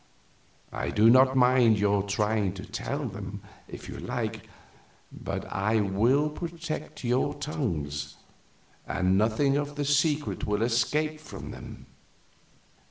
I do not mind your trying to tell them, if you like, but I will protect your tongues, and nothing of the secret will escape from them."